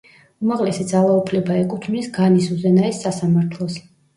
უმაღლესი ძალაუფლება ეკუთვნის განის უზენაეს სასამართლოს.